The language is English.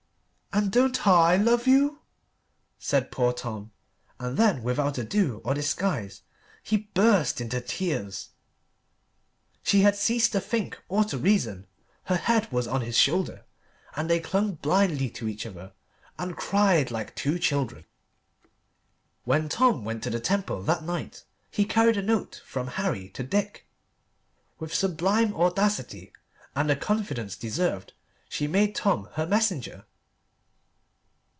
"And don't I love you?" said poor Tom, and then without ado or disguise he burst into tears. She had ceased to think or to reason. Her head was on his shoulder, and they clung blindly to each other and cried like two children. When Tom went to the Temple that night he carried a note from Harry to Dick. With sublime audacity and a confidence deserved she made Tom her messenger.